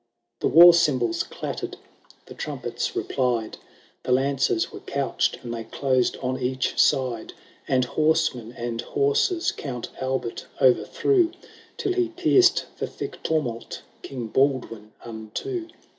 The war cymbals clattered, the trumpets replied, The lances were couched, and they closed on each side ; And horsemen and horses Count Albert o'erthrew, Till he pierced the thick tumult King Baldwin unto.